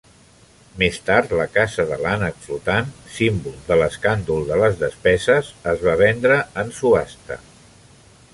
Més tard, la casa de l'ànec flotant, símbol de l'escàndol de les despeses, es va vendre en subhasta.